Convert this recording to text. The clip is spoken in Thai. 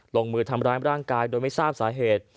ลงมือทำร้ายร่างกายโดยไม่ทราบสาเหตุ